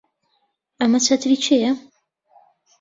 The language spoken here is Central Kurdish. ئەمە چەتری کێیە؟